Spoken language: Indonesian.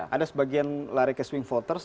ada sebagian lari ke swing voters